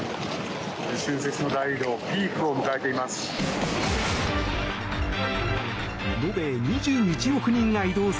春節の大移動ピークを迎えています。